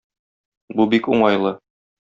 Бу бик уңайлы.